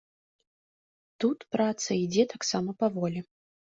Тут праца ідзе таксама паволі.